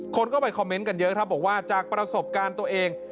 คนก็ไปคอมเมนต์กันเยอะครับบอกว่าจากประสบการณ์ตัวเอง